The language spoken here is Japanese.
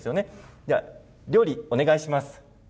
じゃあ、料理お願いします。